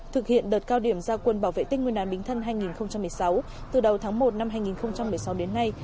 thực hiện đợt cao điểm giao quân bảo vệ tinh nguyên đàn bình thân hai nghìn một mươi sáu từ đầu tháng một năm hai nghìn một mươi sáu đến nay